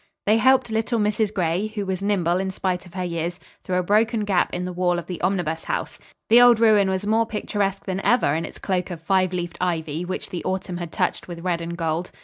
They helped little Mrs. Gray, who was nimble in spite of her years, through a broken gap in the wall of the Omnibus House. The old ruin was more picturesque than, ever in its cloak of five leafed ivy which the autumn had touched with red and gold.